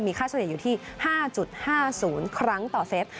มีค่าสถิติอยู่ที่๕๕ศูนย์ครั้งต่อสเซต